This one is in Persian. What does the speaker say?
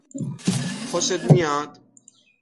خوشت میاد؟